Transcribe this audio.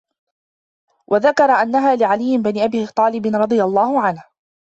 وَذَكَرَ أَنَّهَا لِعَلِيِّ بْنِ أَبِي طَالِبٍ رَضِيَ اللَّهُ عَنْهُ